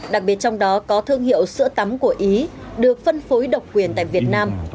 đặc biệt trong đó có thương hiệu sữa tắm của ý được phân phối độc quyền tại việt nam